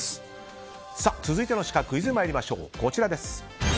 続いてのシカクイズまいりましょう。